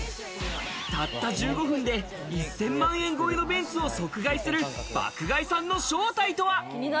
たった１５分で１０００万円超えのベンツを即買いする爆買いさんの正体とは？